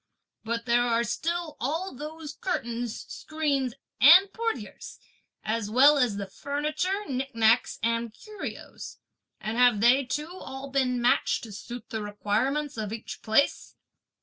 But there are still all those curtains, screens and portieres, as well as the furniture, nicknacks and curios; and have they too all been matched to suit the requirements of each place?"